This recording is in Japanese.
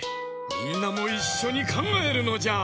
みんなもいっしょにかんがえるのじゃ！